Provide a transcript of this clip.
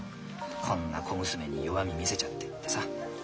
こんな小娘に弱み見せちゃってってさ。